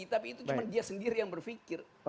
tapi itu cuma dia sendiri yang berpikir